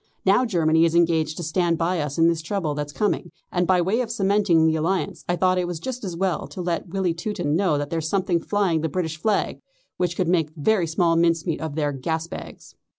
Now Germany is engaged to stand by us in this trouble that's coming, and by way of cementing the alliance I thought it was just as well to let the wily Teuton know that there's something flying the British flag which could make very small mincemeat of their gas bags."